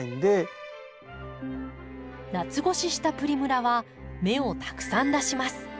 夏越ししたプリムラは芽をたくさん出します。